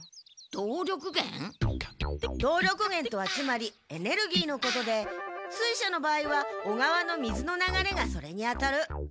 動力源とはつまりエネルギーのことで水車の場合は小川の水の流れがそれにあたる。